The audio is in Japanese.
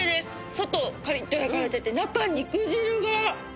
外はカリッと焼かれてて中は肉汁が！